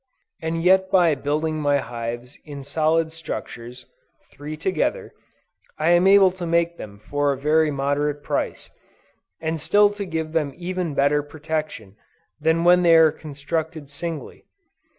And yet by building my hives in solid structures, three together, I am able to make them for a very moderate price, and still to give them even better protection than when they are constructed singly.